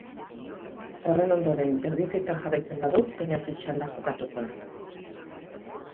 Horren ondoren, berdinketan jarraitzen badu, penalti-txanda jokatuko da.